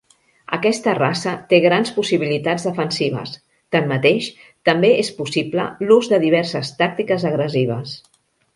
Aquesta raça té grans possibilitats defensives, tanmateix, també és possible l'ús de diverses tàctiques agressives.